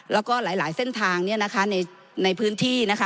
แล้วก็หลายเส้นทางในพื้นที่นะคะ